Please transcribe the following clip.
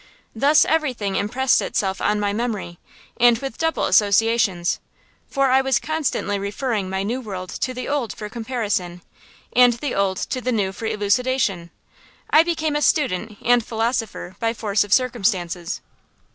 Thus everything impressed itself on my memory, and with double associations; for I was constantly referring my new world to the old for comparison, and the old to the new for elucidation. I became a student and philosopher by force of circumstances.